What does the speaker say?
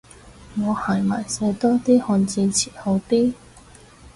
我係咪寫多啲漢字詞好啲